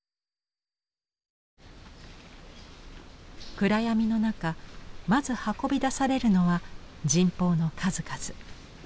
暗闇の中まず運び出されるのは神宝の数々。